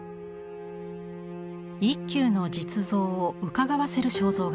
一休の実像をうかがわせる肖像画です。